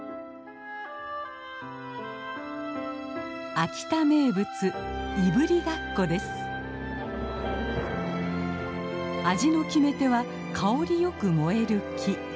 秋田名物味の決め手は香りよく燃える木。